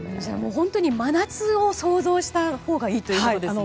本当に真夏を想像したほうがいいということですね。